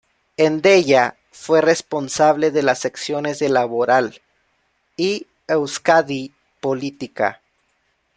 En "Deia" fue responsable de las secciones de Laboral y Euskadi-Política.